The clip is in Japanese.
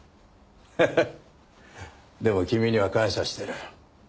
でも君には感謝してる。